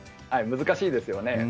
難しいですよね。